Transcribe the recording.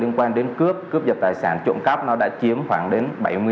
liên quan đến cướp cướp giật tài sản trộm cắp nó đã chiếm khoảng đến bảy mươi